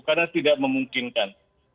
karena tidak memungkinkan